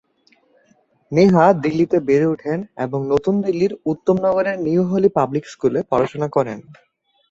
নেহা দিল্লিতে বেড়ে ওঠেন এবং নতুন দিল্লির উত্তম নগরের নিউ হলি পাবলিক স্কুলে পড়াশোনা করেন।